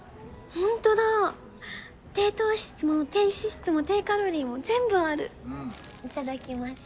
ホントだ低糖質も低脂質も低カロリーも全部あるいただきます